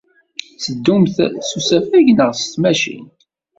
Ad teddumt s usafag neɣ s tmacint?